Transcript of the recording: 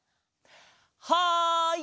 はい！